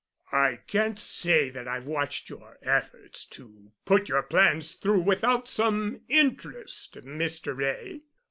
"I can't say that I've watched your efforts to put your plans through without some interest, Mr. Wray.